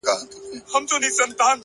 هوډ د وېرې دیوال نړوي!